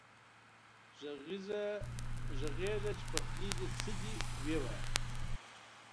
غږېږه چې په خولې دې څه دي وې وايه